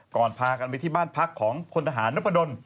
พากันไปที่บ้านพักของพลทหารนพดล